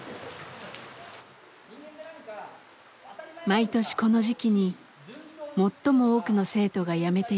毎年この時期に最も多くの生徒がやめていきます。